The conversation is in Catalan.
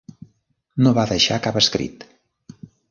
No va deixar cap escrit.